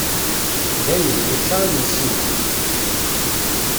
Dayen, nečča imensi-nneɣ.